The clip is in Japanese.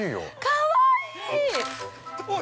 かわいい！